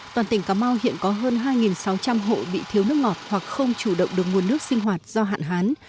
toàn tỉnh cà mau hiện có hơn hai sáu trăm linh hộ bị thiếu nước ngọt hoặc không chủ động được nguồn nước sinh hoạt do hạn hán